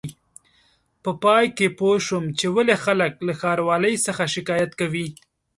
په پای کې پوه شوم چې ولې خلک له ښاروالۍ څخه شکایت کوي.